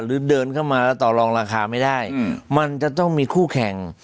เดินเข้ามาแล้วต่อรองราคาไม่ได้มันจะต้องมีคู่แข่ง